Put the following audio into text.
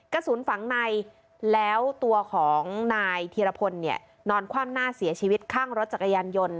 กระสุนฝังในแล้วตัวของนายธีรพลเนี่ยนอนคว่ำหน้าเสียชีวิตข้างรถจักรยานยนต์